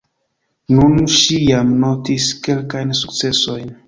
Nun ŝi jam notis kelkajn sukcesojn.